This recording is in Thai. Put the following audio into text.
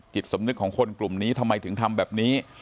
สำนึกของคนกลุ่มนี้ทำไมถึงทำแบบนี้